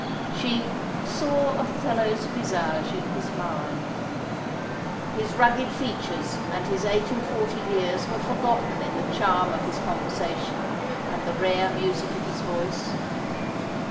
She "saw Othello's visage in his mind." His rugged features and his eight and forty years were forgotten in the charm of his conversation and the rare music of his voice.